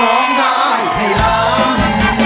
ร้องได้ให้ล้าน